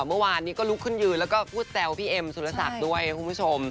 เมื่อวานนี้ก็ลุกขึ้นยืนแล้วก็พูดแซวพี่เอ็มสุรศักดิ์ด้วยคุณผู้ชม